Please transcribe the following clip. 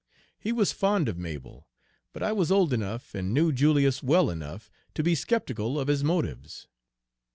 He was fond of Mabel, but I was old enough, and knew Julius well enough, to be skeptical of his motives.